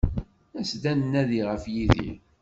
As-d ad nnadi ɣef Yidir.